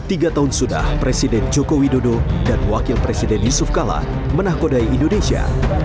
tiga tahun sudah presiden joko widodo dan wakil presiden yusuf kala menahkodai indonesia